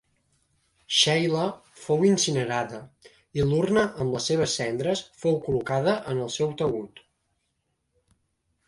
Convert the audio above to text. Sheila fou incinerada, i l'urna amb les seves cendres fou col·locada en el seu taüt.